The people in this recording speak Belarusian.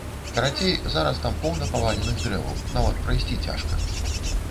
Карацей, зараз там поўна паваленых дрэваў, нават прайсці цяжка.